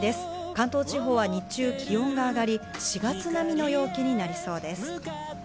関東地方は日中気温が上がり、４月並みの陽気になりそうです。